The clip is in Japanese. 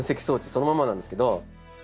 そのままなんですけど。